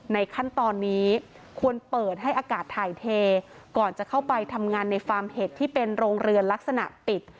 ขั้นตอนนี้ควรเปิดให้อากาศถ่ายเทก่อนจะเข้าไปทำงานในฟาร์มเห็ดที่เป็นโรงเรือนลักษณะปิด